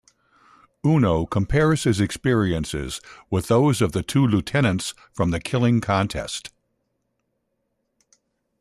Uno compares his experiences with those of the two lieutenants from the killing contest.